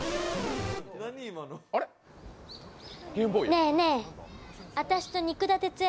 ねえねえ、私と肉田鉄也